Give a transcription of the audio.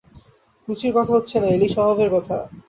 রুচির কথা হচ্ছে না এলী, স্বভাবের কথা।